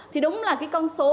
thì đúng là cái con số